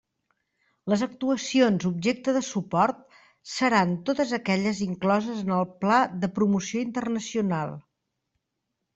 Les actuacions objecte de suport seran totes aquelles incloses en el Pla de Promoció Internacional.